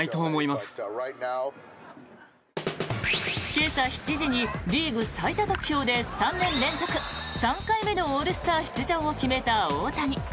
今朝７時にリーグ最多得票で３年連続３回目のオールスター出場を決めた大谷。